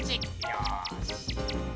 よし。